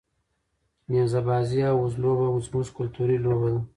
نیزه بازي او وزلوبه زموږ کلتوري لوبې دي.